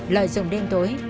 lợi dụng đêm tối